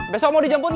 besok mau dijemput gak